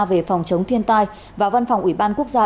về phòng chống thiên tai và văn phòng ủy ban quốc gia